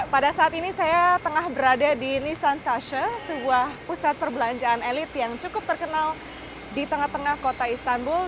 pada saat ini saya tengah berada di nisantasha sebuah pusat perbelanjaan elit yang cukup terkenal di tengah tengah kota istanbul